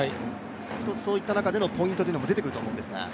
そういった中でのポイントも出てくると思うんですが。